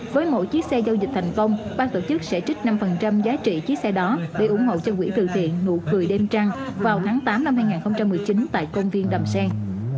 với mỗi chiếc xe giao dịch thành công ban tổ chức sẽ trích năm giá trị chiếc xe đó để ủng hộ cho quỹ tự thiện nụ cười đêm trăng vào tháng tám năm hai nghìn một mươi chín tại công viên đầm sen